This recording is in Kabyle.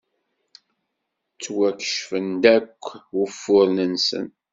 Ttwakecfen-d akk wufuren-nsen.